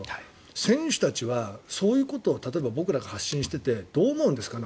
選手たちはそういうことを例えば僕らが発信しててどう思うんですかね。